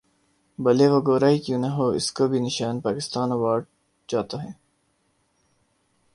بھلے وہ گورا ہی کیوں نہ ہو اسکو بھی نشان پاکستان ایوارڈ جاتا ہے